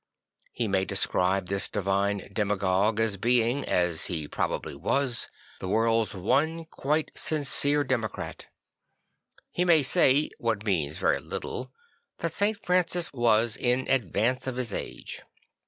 He ma y describe this divine demagogue as being, as he probably was, the world's one quite sincere democrat. He may say (what means very little) that St. Francis was in advance of his age.